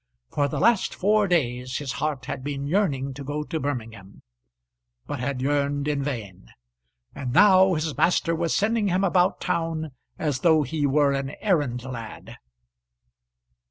For the last four days his heart had been yearning to go to Birmingham, but had yearned in vain; and now his master was sending him about town as though he were an errand lad.